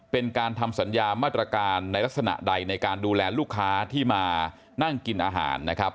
เป็นการทำสัญญามาตรการในลักษณะใดในการดูแลลูกค้าที่มานั่งกินอาหารนะครับ